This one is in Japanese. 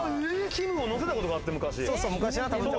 きむを乗せたことがあって、昔。